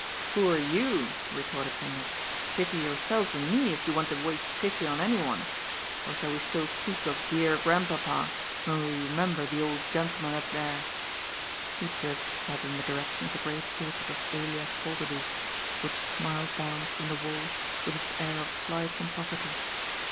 "Poor youl" retorted Hendrik. "Pity yourself and me, if you want to waste pity on anyone. Or shall we still speak of ^dear Grandpapa,' when we remember the old gentleman up there ?" He jerked his head in the direction of the great portrait of Elias Yolderdoes, which smiled down from the wall with its air of sly pomposity.